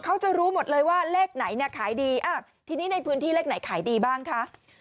เขาจะรู้หมดเลยว่าเลขไหนเนี่ยขายดีทีนี้ในพื้นที่เลขไหนขายดีบ้างคะ